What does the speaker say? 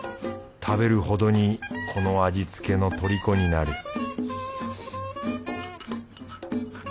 食べるほどにこの味付けのとりこになる